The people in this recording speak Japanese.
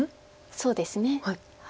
そうですね。